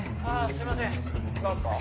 すいません何すか？